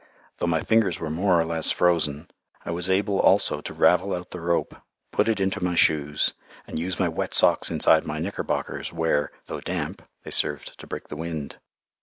Though my fingers were more or less frozen, I was able also to ravel out the rope, put it into my shoes, and use my wet socks inside my knickerbockers, where, though damp, they served to break the wind.